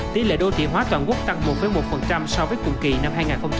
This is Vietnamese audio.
tỷ lệ đô thị hóa toàn quốc tăng một một so với cùng kỳ năm hai nghìn hai mươi ba